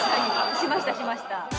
しましたしました。